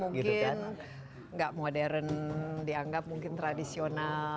mungkin nggak modern dianggap mungkin tradisional